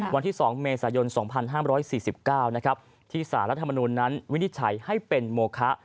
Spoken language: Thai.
วันที่๒เมษายน๒๕๔๙ที่สารรัฐมนุนนั้นวินิจฉัยให้เป็นโมคะ